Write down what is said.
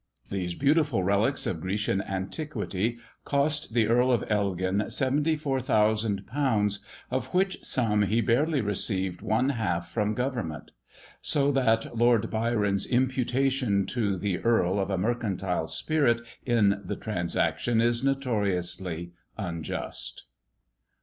These beautiful relics of Grecian antiquity cost the Earl of Elgin 74,000_l._, of which sum he barely received one half from Government; so that Lord Byron's imputation to the Earl of a mercantile spirit in the transaction is notoriously unjust.